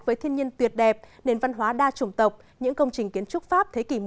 với thiên nhiên tuyệt đẹp nền văn hóa đa chủng tộc những công trình kiến trúc pháp thế kỷ một mươi